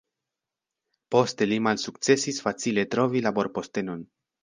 Poste li malsukcesis facile trovi laborpostenon.